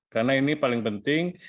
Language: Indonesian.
karena ini paling penting